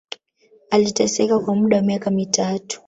Aliteseka kwa muda wa miaka mitatu